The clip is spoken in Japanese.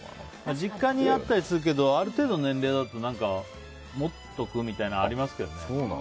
実家にあったりするけどある程度の年齢になると持っとく？みたいなありますけどね。